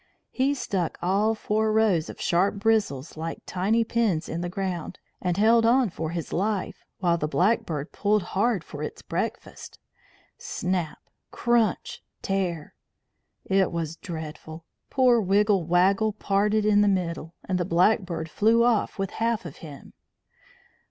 He stuck all four rows of sharp bristles like tiny pins in the ground, and held on for his life, while the blackbird pulled hard for its breakfast. Snap! crunch! tear! It was dreadful. Poor Wiggle Waggle parted in the middle, and the blackbird flew off with half of him.